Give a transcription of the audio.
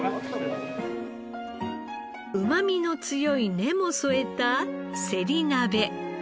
うまみの強い根も添えたせり鍋。